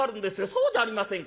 そうじゃありませんか。